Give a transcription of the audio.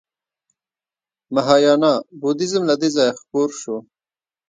مهایانا بودیزم له دې ځایه خپور شو